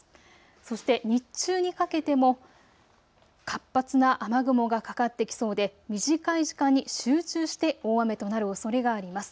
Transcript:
そして日中にかけても活発な雨雲がかかってきそうで短い時間に集中して大雨となるおそれがあります。